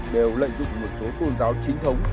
đều lợi dụng một số tôn giáo chính thống